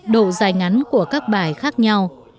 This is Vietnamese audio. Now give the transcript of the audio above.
độ dài ngắn của các bài khác nhau